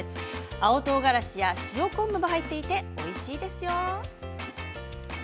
青とうがらしや塩昆布も入っておいしいですよ。